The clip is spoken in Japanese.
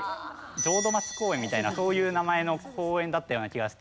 浄土松公園みたいなそういう名前の公園だったような気がして。